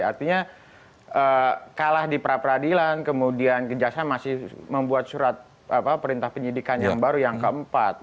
artinya kalah di pra peradilan kemudian kejaksaan masih membuat surat perintah penyidikan yang baru yang keempat